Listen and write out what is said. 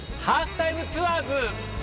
『ハーフタイムツアーズ』！